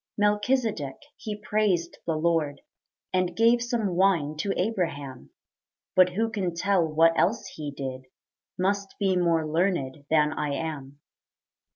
Melchizedek he praised the Lord, And gave some wine to Abraham; But who can tell what else he did Must be more learned than I am.